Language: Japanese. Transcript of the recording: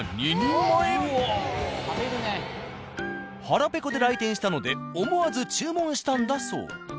腹ペコで来店したので思わず注文したんだそう。